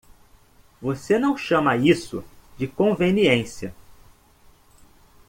Você não chama isso de conveniência!